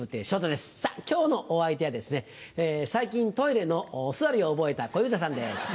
今日のお相手はですね最近トイレのお座りを覚えた小遊三さんです。